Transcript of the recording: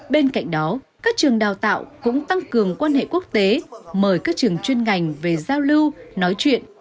bên cạnh đó các trường đào tạo cũng tăng cường quan hệ quốc tế mời các trường chuyên ngành về giao lưu nói chuyện